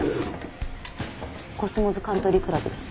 コスモズカントリークラブです。